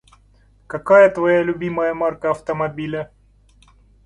Какая твоя любимая марка автомобиля?